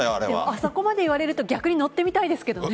あそこまで言われると逆に乗ってみたいですけどね。